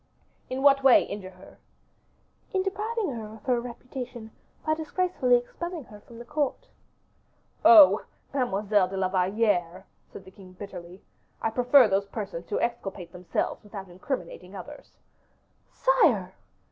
"In what way injure her?" "In depriving her of her reputation, by disgracefully expelling her from the court." "Oh! Mademoiselle de la Valliere," said the king bitterly, "I prefer those persons who exculpate themselves without incriminating others." "Sire!"